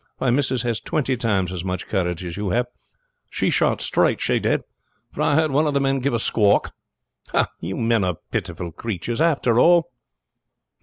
Why missus has twenty times as much courage as you have. She shot straight, she did, for I heard one of the men give a squalk. Oh, you men are pitiful creatures, after all!"